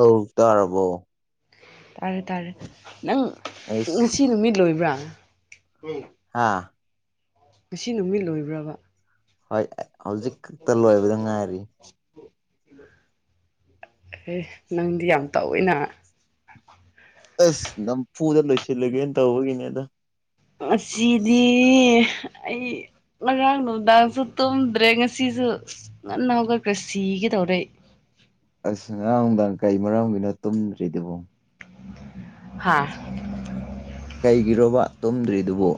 ꯑꯧ ꯇꯥꯔꯕꯣ ꯇꯥꯔ ꯇꯔꯦ ꯅꯪ ꯑꯦꯁ ꯁꯤ ꯅꯨꯃꯤꯠ ꯂꯣꯏꯕ꯭ꯔꯥ ꯍꯥꯥ ꯉꯁꯤ ꯅꯨꯃꯤꯠ ꯂꯣꯏꯕ꯭ꯔꯕ ꯍꯣꯏ ꯍꯧꯖꯤꯛ ꯈꯛꯇ ꯂꯣꯏꯕꯗ ꯉꯥꯏꯔꯤ ꯑꯦ ꯅꯪꯗꯤ ꯌꯥꯝ ꯇꯧꯏ ꯅ ꯑꯁ ꯅꯝꯐꯨꯗ ꯂꯣꯏꯁꯤꯜꯂꯒꯦꯅ ꯇꯧꯕꯒꯤꯅꯤꯗ ꯉꯁꯤꯗꯤ ꯑꯩ ꯉꯔꯥꯡ ꯅꯨꯡꯗꯥꯡꯁꯨ ꯇꯨꯝꯗ꯭ꯔꯦ ꯉꯁꯤꯁꯨ ꯉꯟꯅ ꯍꯧꯒꯠꯈ꯭ꯔꯦ ꯁꯤꯒꯦꯗꯧꯔꯦ ꯑꯩ ꯑꯁ ꯉꯔꯥꯡꯅꯨꯡꯗꯥꯡ ꯀꯩ ꯃꯔꯝꯒꯤꯅꯣ ꯇꯨꯝꯗ꯭ꯔꯤꯗꯨꯕꯣ ꯍꯥꯥ ꯀꯩꯒꯤꯔꯣꯕ ꯇꯨꯝꯗ꯭ꯔꯤꯗꯨꯕꯨ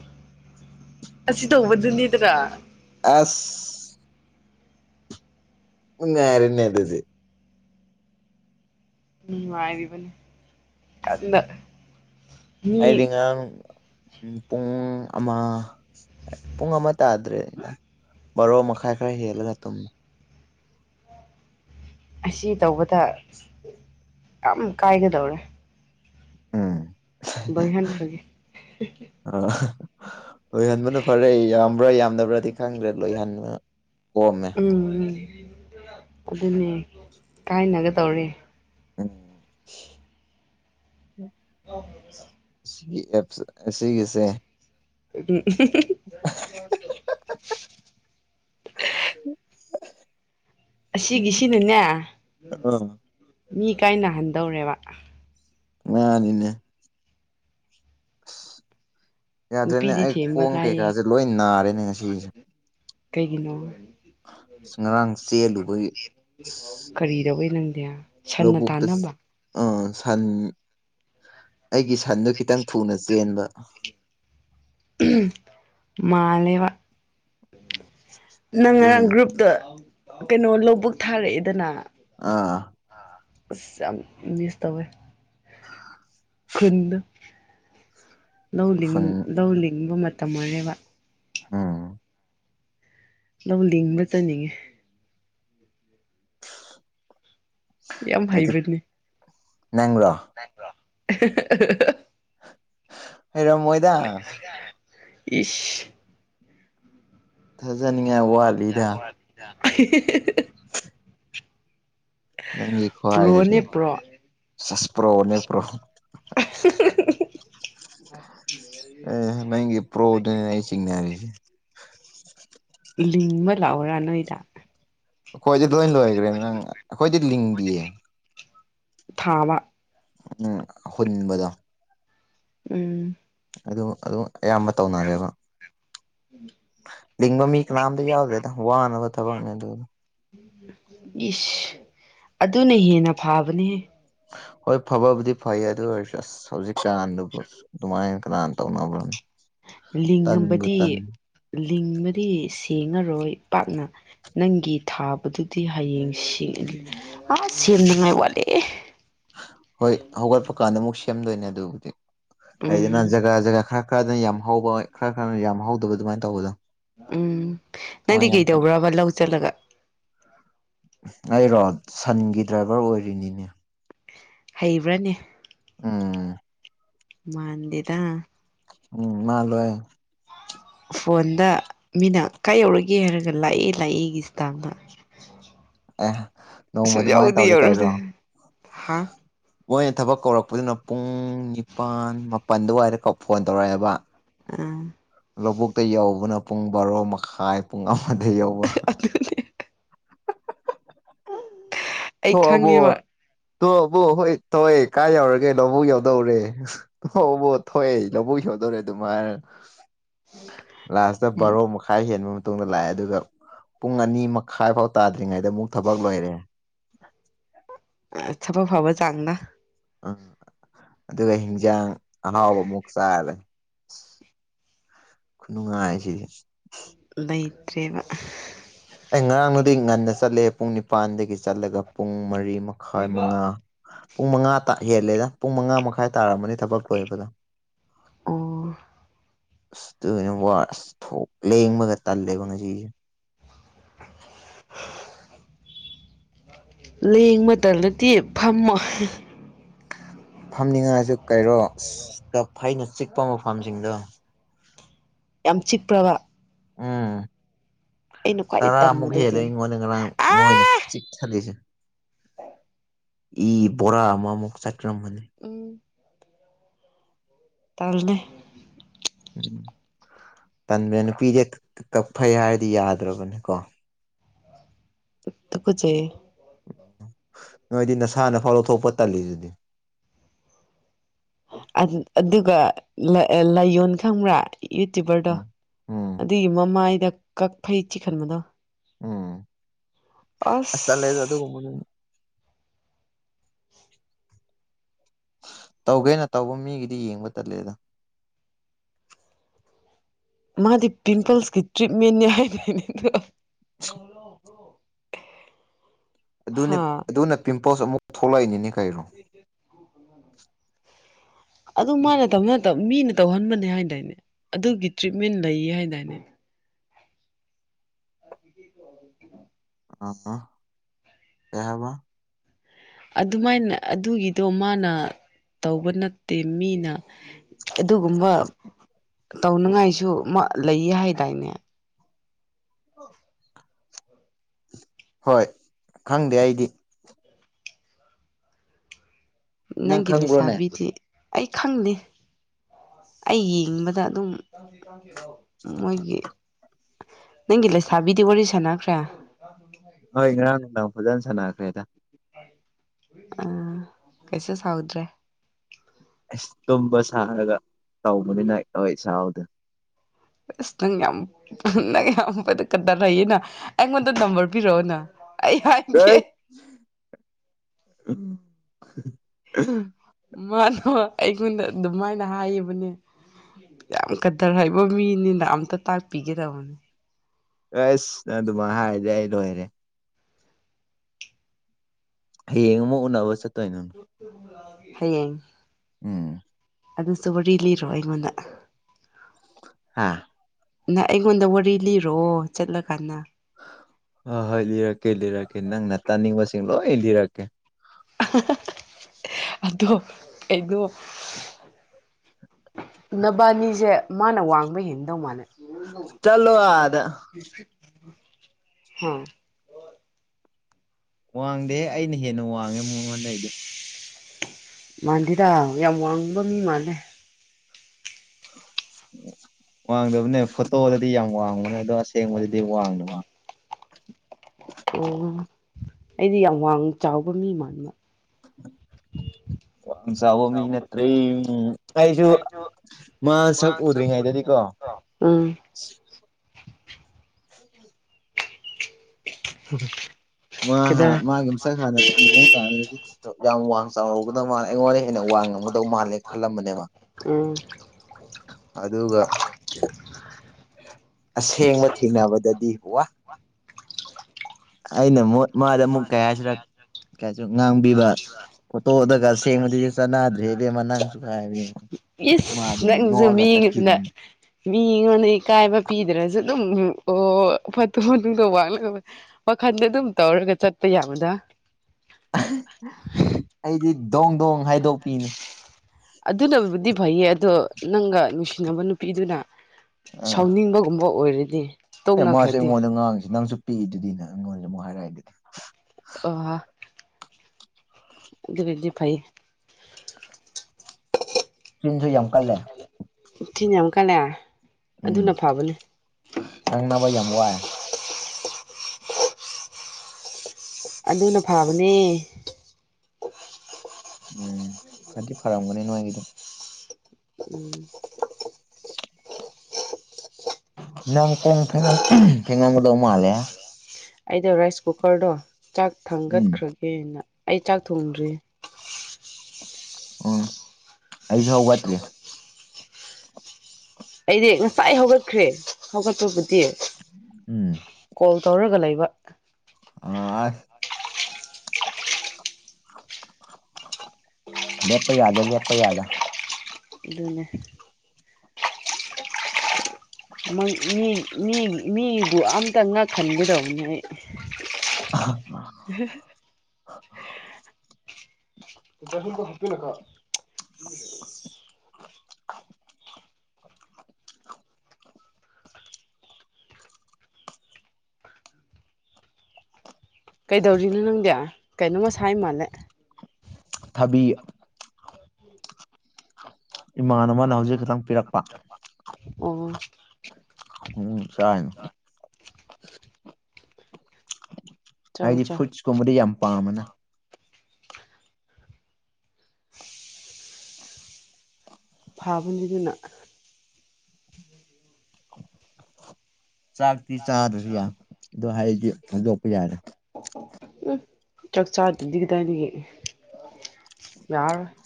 ꯑꯁꯤ ꯇꯧꯕꯗꯨꯅꯤꯗ꯭ꯔꯥ ꯑꯥꯁ ꯎꯥꯏꯔꯅ ꯑꯗꯨꯗꯤ ꯎꯝ ꯉꯥꯏꯔꯤꯕꯅꯤ ꯀꯟꯅ ꯍꯥꯏꯗꯤ ꯃꯤ ꯉꯥꯡ ꯄꯨꯡ ꯑꯃ ꯄꯨꯡ ꯑꯃ ꯇꯥꯗ꯭ꯔꯦꯗ ꯚꯥꯔꯣ ꯃꯈꯥꯏ ꯈꯔ ꯍꯦꯜꯂꯒ ꯇꯨꯝꯃꯦ ꯑꯁꯤ ꯇꯧꯕꯗ ꯌꯥꯝ ꯀꯥꯏꯒꯗꯧꯔꯦ ꯎꯝ ꯂꯣꯢꯍꯥꯟ ꯈ꯭ꯔꯒꯦ ꯑ ꯂꯣꯏꯍꯟꯕꯅ ꯐꯔꯦ ꯌꯥꯝꯕ꯭ꯔꯥ ꯌꯥꯝꯗꯕ꯭ꯔꯗꯤ ꯈꯪꯗ꯭ꯔꯦ ꯂꯣꯏꯍꯟꯕ ꯀꯣꯝꯃꯦ ꯎꯝ ꯑꯗꯨꯅꯦ ꯀꯥꯏꯅꯒꯗꯧꯔꯦ ꯑꯝ [unintelligible] ꯁꯤ ꯑꯦꯞꯁ ꯑꯁꯤꯒꯤꯁꯦ ꯎꯝ [unintelligible] ꯑꯁꯤꯒꯤꯁꯤꯅꯅꯦ ꯑ ꯃꯤ ꯀꯥꯏꯅꯍꯟꯗꯧꯔꯦꯕ ꯉꯥꯅꯤꯅꯦ ꯌꯥꯗ꯭ꯔꯦꯅꯦ ꯅꯨꯄꯤꯗꯤ ꯑꯩ ꯊꯦꯝꯕ ꯈꯣꯡ ꯂꯥꯏꯌꯦ ꯀꯩꯀꯥꯁꯦ ꯂꯣꯏ ꯅꯥꯔꯦꯅꯦ ꯉꯁꯤꯁꯦ ꯀꯩꯒꯤꯅꯣ ꯉꯔꯥꯡ ꯆꯦꯜꯂꯨꯕꯒꯤ ꯑꯁ ꯀꯔꯤꯗꯧꯕꯩ ꯅꯪꯗꯤ ꯁꯟꯅ ꯂꯧꯕꯨꯛꯇ ꯇꯥꯟꯅꯕ ꯑꯥ ꯁꯟ ꯑꯩꯒꯤ ꯁꯟꯗꯣ ꯈꯤꯇꯪ ꯊꯨꯅ ꯆꯦꯟꯕ ꯎꯝ ꯃꯥꯜꯂꯦꯕ ꯅꯪ ꯉꯔꯥꯡ ꯑꯗꯨꯒꯤꯅꯤ ꯒ꯭ꯔꯨꯞꯇ ꯀꯩꯅꯣ ꯂꯧꯕꯨꯛ ꯊꯥꯔꯛꯑꯦꯗꯅ ꯑꯥ ꯑꯁ ꯌꯥꯝ ꯃꯤꯁ ꯇꯧꯋꯦ ꯈꯨꯟꯗꯣ ꯂꯧ ꯂꯤꯡ ꯈꯨꯟ ꯂꯧ ꯂꯤꯡꯕ ꯃꯇꯝ ꯑꯣꯏꯔ‌ꯦꯕ ꯎꯝ ꯂꯧ ꯂꯤꯡꯕ ꯆꯠꯅꯤꯡꯉꯦ ꯌꯥꯝ ꯍꯩꯕꯅꯦ ꯅ꯭ꯔꯥ [unintelligible] ꯍꯩꯔꯝꯃꯣꯏꯠ ꯏꯁ ꯊꯥꯖꯅꯤꯡꯉꯥꯏ ꯋꯥꯠꯂꯤꯗ [unintelligible] ꯅꯪꯒꯤ ꯈ ꯄ꯭ꯔꯣꯅꯦ ꯍꯥꯏꯗꯨꯗꯤ ꯄ꯭ꯔꯣ ꯆꯁꯄ꯭ꯔꯣ ꯅꯦꯛꯄ꯭ꯔꯣ ꯑꯦ ꯅꯪꯒꯤ ꯄ꯭ꯔꯣꯗꯨꯅꯦ ꯑꯩ ꯆꯤꯡꯅꯔꯤꯁꯦ ꯂꯤꯡꯕ ꯂꯥꯛꯑꯣꯔꯥ ꯅꯣꯏꯗ ꯑꯩꯈꯣꯏꯗꯤ ꯂꯣꯏ ꯂꯣꯏꯈ꯭ꯔꯦ ꯅꯪ ꯑꯩꯈꯣꯏꯗꯤ ꯂꯤꯡꯗꯤꯌꯦ ꯊꯥꯃ ꯎꯝ ꯍꯅꯤꯡꯕꯗ ꯎꯝ ꯑꯗꯨ ꯑꯗꯨ ꯑꯌꯥꯝꯕ ꯇꯧꯅꯔꯦꯕ [unintelligible] ꯂꯤꯡꯕ ꯃꯤ ꯀꯅꯥꯝꯇ ꯌꯥꯎꯗ꯭ꯔꯦꯗ ꯋꯥꯅꯕ ꯊꯕꯛꯅꯦ ꯑꯗꯨ ꯏꯁꯁ ꯑꯗꯨꯅ ꯍꯦꯟꯅ ꯐꯥꯕꯅꯦꯍꯦ ꯍꯣꯏ ꯐꯕꯕꯨꯗꯤ ꯐꯩꯌ‌ꯦ ꯑꯗꯨ ꯑꯣꯏꯔꯁꯨ ꯑꯁ ꯍꯧꯖꯤꯛꯀꯟꯗꯕꯨ ꯑꯗꯨꯃꯥꯏ ꯀꯅꯥ ꯇꯧꯅꯕ꯭ꯔꯣ ꯂꯤꯡꯉꯝꯕꯗꯤ ꯂꯤꯡꯕꯗꯤ ꯁꯦꯡꯉꯔꯣꯏ ꯄꯥꯛꯅ ꯅꯪꯒꯤ ꯊꯥꯕꯗꯨꯗꯤ ꯍꯌꯦꯡ ꯁꯤ ꯑꯥ ꯁꯦꯝꯅꯤꯡꯉꯥꯏ ꯋꯥꯠꯂꯤ ꯍꯣꯏ ꯍꯧꯒꯠꯄ ꯀꯥꯟꯗꯃꯨꯛ ꯁꯦꯝꯗꯣꯏꯅꯦ ꯑꯗꯨꯕꯨꯗꯤ ꯂꯩꯗꯅ ꯎꯝ ꯖꯒꯥ ꯖꯒꯥ ꯈꯔ ꯈꯔꯗꯅ ꯌꯥꯝ ꯍꯧꯕ ꯈꯔ ꯈꯔ ꯌꯥꯝ ꯍꯧꯗꯕ ꯑꯗꯨꯃꯥꯏꯅ ꯇꯧꯕꯗꯣ ꯎꯝ ꯑꯗꯨꯃꯥꯏꯅ ꯅꯪꯗꯤ ꯌꯥꯝ ꯇꯧꯋꯦ ꯀꯩꯗꯧꯕ꯭ꯔꯕ ꯂꯧ ꯆꯠꯂꯒ ꯑꯩꯔꯣ ꯁꯟꯒꯤ ꯗ꯭ꯔꯥꯏꯚꯔ ꯑꯣꯏꯔꯤꯅꯤꯅꯦ ꯍꯩꯕ꯭ꯔꯅ‌ꯦ ꯎꯝ ꯃꯥꯟꯗꯦꯗ ꯎꯝ ꯃꯥ ꯂꯣꯏ ꯐꯣꯟꯗ ꯃꯤꯅ ꯀꯥꯏ ꯌꯧꯔꯒꯦ ꯍꯥꯏꯔꯒ ꯂꯥꯛꯏ ꯂꯥꯛꯏꯒꯤ ꯏꯁꯇꯥꯝꯅ ꯑꯦ ꯅꯣꯡꯃ ꯑꯗꯨꯃꯥꯏꯅ ꯁꯨꯡꯌꯧꯗꯤ ꯇꯧꯔꯦ ꯌꯧꯔꯛꯇꯦ ꯀꯩꯔꯣ ꯍꯥ ꯃꯣꯏꯅ ꯊꯕꯛ ꯀꯧꯔꯛꯄꯗꯨꯅ ꯄꯨꯡ ꯅꯤꯄꯥꯜ ꯃꯥꯄꯟ ꯗꯨꯋꯥꯏꯗ ꯀꯧ ꯐꯣꯟ ꯇꯧꯔꯛꯑꯦꯕ ꯑ ꯂꯧꯕꯨꯛꯇ ꯌꯧꯕꯅ ꯄꯨꯡ ꯕꯥꯔꯣ ꯃꯈꯥꯏ ꯄꯨꯡ ꯑꯃꯗ ꯌꯧꯕ [unintelligible] ꯑꯩ ꯊꯣꯛꯑꯕꯣ ꯈꯪꯉꯦꯕ ꯊꯣꯛꯕꯣ ꯍꯣꯏ ꯇꯣꯛꯑꯦ ꯀꯥꯏ ꯌꯧꯔꯒꯦ [inaudible] ꯌꯥꯎꯗꯣꯔꯦ ꯍꯧꯕꯣ ꯊꯣꯛꯑꯦ ꯂꯧꯕꯨꯛ ꯌꯧꯗꯣꯔꯦ ꯑꯗꯨꯃꯥꯢ ꯂꯥꯁꯇ ꯕꯥꯔꯣ ꯃ ꯈꯥꯏ ꯍꯦꯟꯕ ꯃꯇꯨꯡꯗ ꯂꯥꯛꯑꯦ ꯑꯗꯨꯒ ꯄꯨꯡ ꯑꯅꯤ ꯃꯈꯥꯏ ꯐꯥꯎ ꯇꯥꯗ꯭ꯔꯤꯉꯩꯗ ꯑꯃꯨꯛ ꯊꯕꯛ ꯂꯣꯏꯔꯦ [unintelligible] ꯊꯕꯛ ꯐꯕ ꯆꯥꯡꯅ ꯑ ꯑꯗꯨꯒ ꯍꯤꯟꯖꯥꯡ ꯑꯍꯥꯎꯕꯃꯨꯛ ꯆꯥꯂꯦ ꯏꯁ ꯈꯨꯅꯨꯡꯉꯥꯏꯁꯤꯗꯤ ꯂꯩꯇ꯭ꯔꯦꯕ ꯑꯩ ꯉꯔꯥꯡꯅꯣꯏꯗꯩ ꯉꯟꯅ ꯆꯠꯂꯦ ꯄꯨꯡ ꯅꯤꯄꯥꯟꯗꯒꯤ ꯆꯠꯂꯒ ꯄꯨꯡ ꯃꯔꯤ ꯃꯈꯥꯏ ꯃꯉꯥ ꯄꯨꯡ ꯃꯉꯥ ꯇ ꯍꯦꯜꯂꯦꯗ ꯄꯨꯡ ꯃꯉꯥ ꯃꯈꯥꯏ ꯇꯥꯔꯝꯃꯅꯤ ꯊꯕꯛ ꯂꯣꯏꯕꯗ‌ꯣ ꯑꯣ ꯑꯁ ꯑꯗꯨꯒꯅ‌ꯦ ꯋꯥꯔ‌ꯦ ꯑꯁ ꯊꯣꯛ ꯂꯦꯡꯕꯒ ꯇꯜꯂꯦꯕ ꯉꯁꯤꯗꯤ ꯂꯦꯡꯕ ꯇꯜꯂꯗꯤ ꯐꯝꯃꯣ ꯐꯝꯅꯤꯡꯉꯥꯏꯁꯨ ꯀꯩꯅ‌ꯣ ꯏꯁ ꯀꯥꯛꯐꯩꯅ ꯆꯤꯛꯄ ꯃꯐꯝꯁꯤꯡꯗꯣ ꯌꯥꯝ ꯆꯤꯛꯄ꯭ꯔꯕ ꯎꯝ ꯑꯩꯅ ꯈ꯭ꯋꯥꯏꯗꯒꯤ ꯇꯔꯥꯃꯨꯛ ꯍꯦꯜꯂꯦ ꯇꯟꯕꯗꯨꯗꯤꯅꯦ ꯑꯩꯉꯣꯟꯗ ꯉꯔꯥꯡ ꯃꯣꯏꯅ ꯑꯥ ꯆꯤꯛ ꯆꯤꯛꯊꯔꯤꯁ‌ꯦ ꯏ ꯕꯣꯔꯥ ꯑꯃꯃꯨꯛ ꯆꯠꯈꯔꯃꯅꯤ ꯎꯝ ꯇꯜꯂ‌ꯦ ꯎꯝ ꯇꯟꯕꯅ‌ꯦ ꯅꯨꯄꯤꯗꯤ ꯀꯛ ꯀꯛ ꯀꯛꯐꯩ ꯍꯥꯏꯔꯗꯤ ꯌꯥꯗ꯭ꯔꯕꯅꯤꯀꯣ ꯇꯨꯀꯠꯆꯩꯍ‌ꯦ ꯅꯣꯏꯗꯤ ꯅꯁꯥꯅ ꯐꯥꯎ ꯂꯧꯊꯣꯛꯄ ꯇꯜꯂꯤꯗꯨꯗꯤ ꯑ ꯑꯗꯨꯒ ꯂꯩ ꯂꯥꯏꯌꯣꯟ ꯈꯪꯕ꯭ꯔꯥ ꯌꯨꯇ꯭ꯌꯨꯕꯔꯗꯣ ꯎꯝ ꯎꯝ ꯑꯗꯨꯒꯤ ꯃꯃꯥꯏꯗ ꯀꯛ ꯐꯩ ꯆꯤꯛ ꯍꯟꯕꯗꯣ ꯎꯝ ꯑꯁ ꯇꯜꯂ‌ꯦꯗ ꯑꯗꯨꯒꯨꯝꯗ‌ꯣ ꯇꯧꯒ‌ꯦꯅ ꯇꯧꯕ ꯃꯤꯒꯤꯗꯤ ꯌꯦꯡꯕ ꯇꯜꯂꯦꯗ ꯃꯥꯗꯤ ꯄꯤꯝꯄꯜꯁꯀꯤ ꯇ꯭ꯔꯤꯠꯃꯦꯟ ꯅ‌ꯦ ꯍꯥꯏꯗꯥꯏꯅ‌ꯦ ꯑꯗꯨꯗ‌ꯣ ꯑꯗꯨꯅ‌ꯦ ꯑꯗꯨꯅ ꯄꯤꯝꯄꯜꯁ ꯑꯃꯨꯛ ꯊꯣꯛꯂꯛꯏꯅꯤꯅꯤꯅ‌ꯦ ꯀꯩꯅꯣ [inaudible] ꯑꯗꯨ ꯃꯥꯅ ꯇꯧꯅꯕ ꯃꯤꯅ ꯇꯧꯍꯟꯕꯅꯦ ꯍꯥꯏꯗꯥꯏꯅꯦ ꯑꯗꯨꯒꯤ ꯇ꯭ꯔꯤꯠꯃꯦꯟ ꯂꯩ ꯍꯥꯏꯗꯥꯏꯅꯦ [inaudible] ꯑ ꯀꯩ ꯍꯥꯏꯕ ꯑꯗꯨꯃꯥꯏꯅ ꯑꯗꯨꯒꯤꯗꯣ ꯃꯥꯅ ꯇꯧꯕ ꯅꯠꯇꯦ ꯃꯤꯅ ꯑꯗꯨꯒꯨꯝꯕ ꯇꯧꯅꯤꯉꯥꯏꯁꯨ ꯃ ꯂꯩꯌꯦ ꯍꯥꯏꯗꯥꯏꯅꯦ [unintelligible] ꯍꯣꯏ ꯈꯪꯗꯦ ꯑꯩꯗꯤ ꯅꯪ ꯅꯪꯒꯤ ꯈꯪꯕ꯭ꯔꯣꯅꯦ ꯂꯩꯁꯥꯕꯤꯗꯤ ꯑꯩ ꯈꯪꯗꯦ ꯑꯩ ꯌꯦꯡꯕꯗ ꯑꯗꯨꯝ ꯃꯣꯏꯒꯤ ꯅꯪꯒꯤ ꯂꯩꯁꯥꯕꯤꯗꯤ ꯋꯥꯔꯤ ꯁꯥꯟꯅꯈ꯭ꯔꯦ ꯍꯣꯏ ꯉꯔꯥꯡ ꯅꯨꯡꯗꯥꯡ ꯐꯖꯅ ꯁꯥꯟꯅꯈ꯭ꯔꯦꯗ ꯑꯥ ꯀꯩꯁꯨ ꯁꯥꯎꯗ꯭ꯔꯦ ꯑꯁ ꯇꯨꯝꯕ ꯁꯥꯔꯒ ꯇꯧꯕꯅꯤꯅ ꯍꯣꯏ ꯁꯥꯍꯗ ꯏꯁꯇꯪ ꯌꯥꯝ ꯄꯨꯅꯪ ꯌꯥꯝ ꯀꯗꯥꯔꯏꯦꯅ ꯑꯦ ꯃꯗ ꯅꯝꯕꯝꯕꯔ ꯕꯤꯔꯛꯑꯣꯅ ꯑꯩ ꯍꯥꯏꯒꯦ ꯎꯝ ꯃꯥꯅꯣ ꯑꯩꯉꯣꯟꯗ ꯑꯗꯨꯃꯥꯏꯅ ꯍꯥꯏꯌꯦꯕꯅꯦ ꯌꯥꯝ ꯀꯗꯔ ꯍꯩꯕ ꯃꯤꯅꯤꯅ ꯑꯝꯇ ꯇꯥꯛꯄꯤꯒꯗꯕꯅꯦ ꯑꯩꯁ ꯅ ꯑꯗꯨꯃꯥꯏ ꯍꯥꯏꯔꯗꯤ ꯑꯩ ꯂꯣꯏꯔꯦ ꯍꯌꯦꯡ ꯑꯃ ꯎꯅꯕ ꯆꯠ ꯍꯌꯦꯡ ꯎꯝ ꯑꯗꯨꯁꯨ ꯋꯥꯔꯤ ꯂꯤꯔꯣ ꯑꯩꯉꯣꯟꯗ ꯍꯥꯥ ꯅ ꯑꯩꯉꯣꯟꯗ ꯋꯥꯔꯤ ꯂꯤꯔꯣꯑꯣ ꯆꯠꯂꯀꯥꯟꯗ ꯍꯣꯏ ꯍꯣꯏ ꯂꯤꯔꯛꯀꯦ ꯂꯤꯔꯛꯀꯦ ꯅꯪꯅ ꯇꯥꯅꯤꯡꯕꯁꯤꯡ ꯂꯣꯏ ꯂꯤꯔꯛꯀꯦ ꯑꯗꯣ ꯀꯩꯅꯣ ꯅꯕꯥꯅꯤꯁꯦ ꯃꯥꯅ ꯋꯥꯡꯕ ꯍꯦꯟꯗꯧ ꯃꯥꯜꯂꯦ ꯆꯠꯂꯣ ꯑꯥꯗ ꯍꯥꯥ ꯋꯥꯡꯗꯦꯍꯦ ꯑꯩꯅ ꯍꯦꯟꯅ ꯋꯥꯡꯉꯦ ꯃꯉꯣꯟꯗꯩꯗꯤ ꯃꯥꯥꯟꯗꯦꯗ ꯌꯥꯝ ꯋꯥꯡꯕ ꯃꯤ ꯃꯥꯜꯂꯦ ꯋꯥꯡꯗꯕꯅꯦ ꯐꯣꯇꯣꯗꯗꯤ ꯌꯥꯝ ꯋꯥꯡꯕꯅꯦ ꯑꯗꯣ ꯑꯁꯦꯡꯕꯗꯗꯤ ꯋꯥꯡꯗꯕꯅꯦ ꯎ ꯑꯩꯗꯤ ꯌꯥꯝ ꯋꯥꯡ ꯆꯥꯎꯕ ꯃꯤ ꯃꯥꯟꯕ ꯋꯥꯡ ꯆꯥꯎꯕ ꯃꯤ ꯅꯠꯇꯔꯦ ꯑꯩꯁꯨ ꯃꯥ ꯁꯛ ꯎꯗ꯭ꯔꯤꯉꯩꯗꯗꯤ ꯀꯣ ꯑꯝ ꯍꯍ ꯃꯥ ꯀꯩꯗꯧꯔꯦ ꯃꯥꯒꯤ ꯃꯁꯛ ꯍꯥꯟꯅ ꯇ ꯀꯥꯟꯗꯗꯤ ꯌꯥꯝ ꯋꯥꯡ ꯆꯥꯎꯔꯨꯕꯗ ꯃꯥꯅ ꯑꯩꯉꯣꯟꯗ ꯍꯦꯟꯅ ꯋꯥꯡ ꯉꯒ ꯗꯧ ꯃꯥꯜꯂꯦ ꯈꯜꯂꯝꯕꯅꯦꯕ ꯎꯝ ꯑꯗꯨꯒ ꯑꯁꯦꯡꯕ ꯊꯦꯡꯅꯕꯗꯗꯤ ꯋꯥ ꯑꯩꯅꯦ ꯂꯣ ꯃꯥꯗ ꯑꯃꯨꯛ ꯀꯩ ꯍꯥꯏꯁꯤ ꯔꯥ ꯀꯁꯨ ꯉꯥꯡꯕꯤꯕ ꯐꯣꯇꯣꯗꯒ ꯁꯦꯡꯕꯗꯗꯤ ꯆꯅꯥꯗ꯭ꯔꯦꯍꯦ ꯏꯕꯦꯝꯃ ꯅꯪꯁꯨ ꯍꯥꯏꯕ ꯏꯁ ꯅꯪꯁꯨ ꯃꯤꯉꯗꯅ ꯃꯤꯉꯣꯟꯗ ꯏꯀꯥꯏꯕ ꯄꯤꯗ꯭ꯔꯁꯨ ꯑꯗꯨꯝ ꯑꯣ ꯐꯣꯠꯇꯨ ꯐꯗꯣ ꯋꯥꯂꯕ ꯋꯥꯈꯟꯗ ꯑꯗꯨꯝ ꯇꯧꯔꯒ ꯆꯠꯄ ꯌꯥꯕꯗ ꯑꯩꯗꯤ ꯗꯣꯡ ꯗꯣꯡ ꯍꯥꯏꯗꯣꯛꯄꯤꯅꯦ ꯑꯗꯨꯅꯕꯨꯗꯤ ꯐꯩꯌꯦ ꯑꯗꯣ ꯅꯪꯒ ꯅꯨꯡꯁꯤꯅꯕ ꯅꯨꯄꯤꯗꯨꯅ ꯑꯥ ꯁꯥꯎꯅꯤꯡꯕꯒꯨꯝꯕ ꯑꯣꯏꯔꯗꯤ ꯑꯦ ꯃꯥꯁꯦ ꯇꯣꯛꯅꯈ꯭ꯔꯗꯤ ꯑꯩꯉꯣꯟꯗ ꯉꯥꯡꯉꯁꯤ ꯅꯪꯁꯨ ꯄꯤꯛꯏꯗꯨꯗꯤꯅ ꯑꯩꯉꯣꯟꯗ ꯑꯃꯨꯛ ꯍꯥꯏꯛꯏ ꯑꯗꯨꯗꯤ ꯑꯣ ꯑꯗꯨꯒꯤꯗꯤ ꯐꯩ ꯆꯤꯟꯁꯨ ꯌꯥꯝ ꯀꯜꯂꯦ ꯆꯤꯟ ꯌꯥꯝ ꯀꯜꯂꯦ ꯎꯝ ꯑꯗꯨꯅ ꯐꯕꯅꯦ ꯅꯪ ꯅꯕ ꯌꯥꯝ ꯋꯥꯏ ꯑꯗꯨꯅ ꯐꯥꯕꯅꯦ ꯎꯝ ꯐꯗꯤ ꯐꯔꯝꯒꯅꯤ ꯅꯉꯥꯏꯒꯤꯗ ꯎꯝ ꯅꯪ ꯀꯣꯡ ꯐꯦꯡꯉꯝ ꯐꯦꯡꯉꯝꯒꯗꯧ ꯃꯥꯝꯂꯦ ꯑꯩꯗꯣ ꯔꯥꯏꯁ ꯀꯨꯀꯔꯗꯣ ꯆꯥꯛ ꯎꯝ ꯊꯥꯡꯒꯠꯈ꯭ꯔꯒꯦꯅ ꯑꯩ ꯆꯥꯛ ꯊꯣꯡꯗ꯭ꯔꯤ ꯎꯝ ꯑꯩꯁꯨ ꯍꯧꯒꯠꯇ꯭ꯔꯤ ꯑꯩꯗꯤ ꯉꯁꯥꯏ ꯍꯧꯒꯠꯈ꯭ꯔꯦ ꯍꯧꯒꯠꯄꯕꯨꯗꯤ ꯎꯝ ꯀꯣꯜ ꯇꯧꯔꯒ ꯂꯩꯕ [unintelligible] ꯂꯦꯞꯄ ꯌꯥꯗꯦ ꯂꯦꯞꯄ ꯌꯥꯗꯦ ꯑꯗꯨꯅꯦ [inaudible] [unintelligible] ꯃꯤ ꯃꯤꯕꯨ ꯑꯝꯇ ꯉꯛꯍꯟꯒꯗꯧꯅꯤ ꯑꯩ [unintelligible] [unintelligible] [inaudible] [unintelligible] [inaudible] ꯀꯩꯗꯧꯔꯤꯅꯣ ꯅꯪꯗꯤ ꯀꯩꯅꯣꯝꯃ ꯁꯥꯏ ꯃꯥꯜꯂꯦ ꯊꯕꯤ [inaudible] ꯏꯃꯥꯟ ꯑꯃꯅ ꯍꯧꯖꯤꯛ ꯈꯤꯛꯇꯪ ꯄꯤꯔꯛꯄ ꯑꯣ ꯎꯝ ꯆꯥꯏꯅꯦ ꯆꯥꯎ ꯑꯩꯗꯤ ꯆꯥꯎ ꯐ꯭ꯔꯨꯏꯠꯁꯀꯨꯝꯕꯗꯤ ꯌꯥꯝ ꯄꯥꯝꯕꯅꯦ [unintelligible] ꯐꯥꯕꯅꯤꯗꯨꯅ ꯆꯥꯛꯇꯤ ꯆꯥꯗ꯭ꯔꯁꯨ ꯌꯥꯏ ꯑꯗꯣ ꯍꯩꯗꯤ ꯊꯥꯗꯣꯛꯄ ꯌꯥꯗꯦ ꯎꯝ ꯆꯥꯛꯆꯥꯥꯗ꯭ꯔꯗꯤ ꯀꯗꯥ ꯏꯗꯒꯤ ꯌꯥꯔꯔꫭꯏ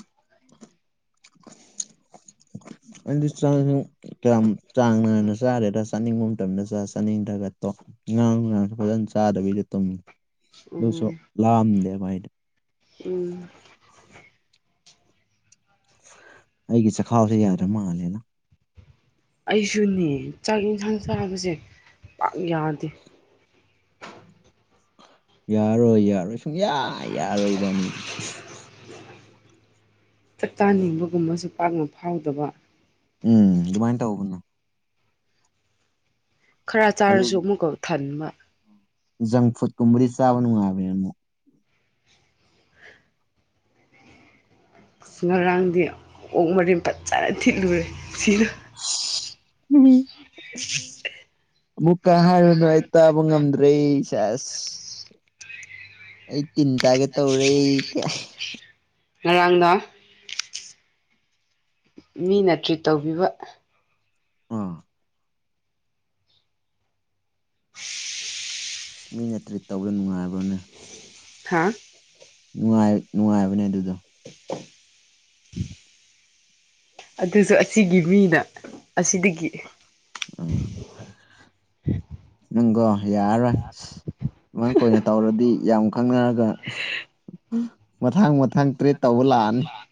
ꯑꯩꯗꯤ ꯆꯥꯛꯁꯨ ꯀꯌꯥꯝ ꯆꯥꯡ ꯅꯥꯏꯅ ꯆꯥꯗꯦꯗ ꯆꯥꯅꯤꯡꯕ ꯃꯇꯝꯗ ꯆꯥ ꯆꯥꯅꯤꯡꯗ꯭ꯔꯒ ꯇꫭꯛ ꯉꯥꯡ ꯅꯨꯡꯗꯥꯡꯁꯨ ꯐꯖꯅ ꯆꯥꯗꯕꯤꯗ ꯇꯨꯝꯃꯤ ꯗꯨꯁꯨ ꯎꯝ ꯂꯝꯗꯦꯕ ꯑꯩꯗꯤ ꯎꯝ ꯑꯩꯒꯤ ꯆꯈꯥꯎꯁꯦ ꯌꯥꯗ꯭ꯔ ꯃꯥꯜꯂꯦꯅ ꯑꯩꯁꯨꯅꯦ ꯆꯥꯛ ꯌꯦꯟꯁꯥꯡ ꯆꯥꯕꯁꯦ ꯄꯥꯛ ꯌꯥꯗꯦ ꯌꯥꯔꯣꯏ ꯌꯥꯔꯣꯏ ꯁꯨꯡꯌꯥ ꯌꯥꯔꯣꯏ ꯏꯕꯥꯅꯤꯗꯤ ꯇꯥꯛꯆꯥꯅꯤꯡꯕꯒꯨꯝꯕꯁꯨ ꯄꯥꯛꯅ ꯐꯥꯎꯗꯕ ꯎꯝ ꯑꯗꯨꯃꯥꯏꯅ ꯇꯧꯕꯅ ꯈꯔ ꯑꯗꯨ ꯆꯥꯔꯁꯨ ꯑꯃꯨꯛꯀ ꯊꯟꯕ ꯖꯪ ꯐꯨꯗ ꯀꯨꯝꯕꯗꯤ ꯆꯥꯕ ꯅꯨꯡꯉꯥꯏꯕꯅꯤ ꯑꯃꯨꯛ ꯉꯔꯥꯡꯗꯤ ꯑꯣꯛ ꯃꯔꯦꯟ ꯐꯖꯅ ꯊꯤꯠꯂꯨꯔꯦ ꯁꯤꯅ ꯎꯝ [unintelligible] ꯑꯃꯨꯛꯀ ꯍꯥꯏꯔꯅꯨ ꯑꯩ ꯇꯥꯕ ꯉꯝꯗ꯭ꯔꯦ ꯁꯦꯁ ꯑꯩ ꯇꯤꯟꯇꯥꯥꯒꯦ ꯇꯧꯔꯦ ꯑꯩ ꯀꯌꯥ ꯉꯔꯥꯡꯅ ꯃꯤꯅ ꯇ꯭ꯔꯤꯠ ꯇꯧꯕꯤꯕ ꯑꯥ ꯑꯁ ꯃꯤꯅ ꯇ꯭ꯔꯤꯠ ꯇꯧꯕꯗ ꯅꯨꯡꯉꯥꯏꯕ꯭ꯔꯣꯅꯦ ꯍꯥꯥ ꯅꯨꯡꯉꯥꯏ ꯅꯨꯡꯉꯥꯏꯕꯅꯦ ꯑꯗꯨꯗꯣ [unintelligible] ꯑꯗꯨꯁꯨ ꯑꯁꯤꯒꯤ ꯃꯤꯅ ꯑꯁꯤꯗꯒꯤ [unintelligible] ꯅꯪꯒꯣ ꯌꯥꯔꯔꯣꯏ ꯃꯥꯏ ꯀꯣꯏꯅ ꯇꯧꯔꯗꯤ ꯌꯥꯝ ꯈꯪꯅꯔꯒ ꯃꯊꯥꯡ ꯃꯊꯥꯡ ꯇ꯭ꯔꯦꯠ ꯇꯧꯕ ꯂꯥꯛꯑꯅꯤ